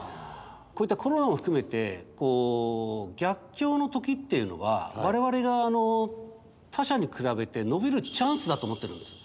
こういったコロナも含めてこう逆境の時っていうのは我々が他社に比べて伸びるチャンスだと思ってるんです。